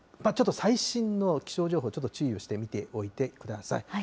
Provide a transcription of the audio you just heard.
ちょっと最新の気象情報、ちょっと注意してみておいてください。